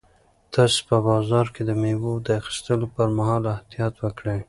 تاسو په بازار کې د مېوو د اخیستلو پر مهال احتیاط وکړئ.